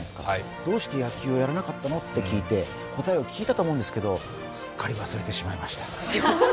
どうして野球をやらなかったの？と聞いて答えを聞いたと思うんですが、すっかり忘れてしまいました。